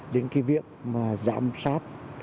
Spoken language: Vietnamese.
đến cái việc mà giám sát